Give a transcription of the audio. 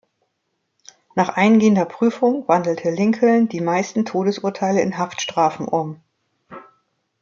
Nach eingehender Prüfung wandelte Lincoln die meisten Todesurteile in Haftstrafen um.